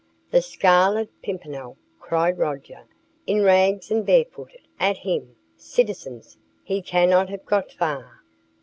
"The Scarlet Pimpernel!" cried Roger. "In rags and barefooted! At him, citizens; he cannot have got far!"